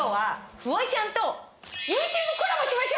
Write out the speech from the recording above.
フワちゃんだよ。